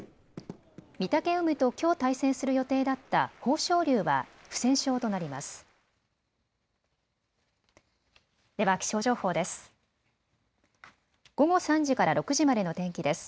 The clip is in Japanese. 御嶽海ときょう対戦する予定だった豊昇龍は不戦勝となります。